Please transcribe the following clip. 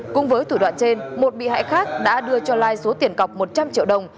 cũng với thủ đoạn trên một bị hại khác đã đưa cho lai số tiền cọc một trăm linh triệu đồng